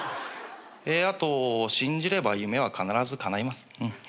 あと信じれば夢は必ずかないます。